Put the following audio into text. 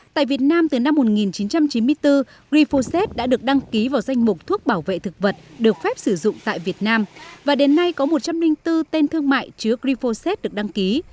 tại việt nam từ năm một nghìn chín trăm chín mươi bốn glyphosate đã được đăng ký vào danh mục thuốc bảo vệ thực vật được phép sử dụng tại việt nam và đến nay có một trăm linh bốn tên thương mại chứa glyphosate được đăng ký